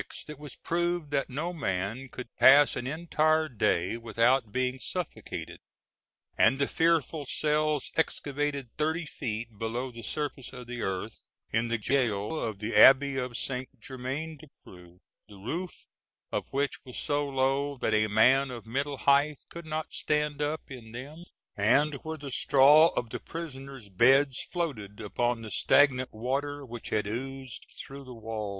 it was proved that no man could pass an entire day without being suffocated; and the fearful cells excavated thirty feet below the surface of the earth, in the gaol of the Abbey of Saint Germain des Prés, the roof of which was so low that a man of middle height could not stand up in them, and where the straw of the prisoners' beds floated upon the stagnant water which had oozed through the walls.